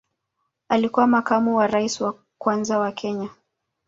Alikuwa makamu wa rais wa kwanza wa Kenya.